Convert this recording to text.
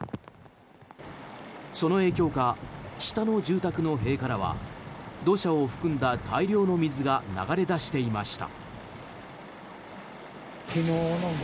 その影響か下の住宅の塀からは土砂を含んだ大量の水が流れ出していました。